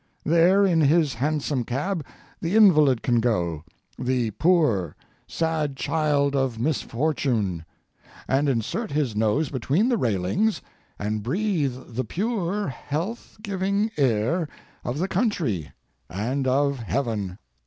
There, in his hansom cab, the invalid can go—the poor, sad child of misfortune—and insert his nose between the railings, and breathe the pure, health giving air of the country and of heaven.